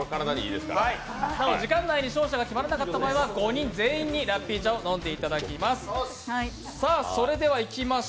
なお、時間内に勝者が決まらなかった場合には５人全員にラッピー茶を飲んでいただきます。